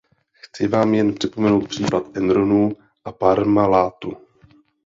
Chci vám jen připomenout případ Enronu a Parmalatu.